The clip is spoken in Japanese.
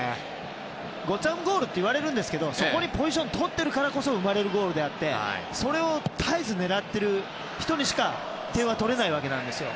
ごっつぁんゴールと言われますがそこにポジションをとっているからこそ生まれるゴールであってそれを絶えず狙っている人にしか点を取れないわけなんですよ。